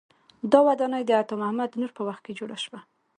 دا ودانۍ د عطا محمد نور په وخت کې جوړه شوه.